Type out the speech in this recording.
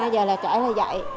hai giờ là trẻ lại dạy